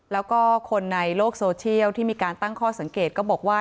แล้วก็คนในโลกโซเชียลที่มีการตั้งข้อสังเกตก็บอกว่า